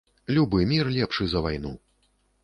Любы мір лепшы за вайну.